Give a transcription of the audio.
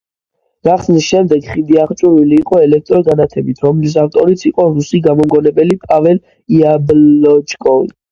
გახსნის შემდეგ, ხიდი აღჭურვილი იყო ელექტრო განათებით, რომლის ავტორიც იყო რუსი გამომგონებელი პაველ იაბლოჩკოვი.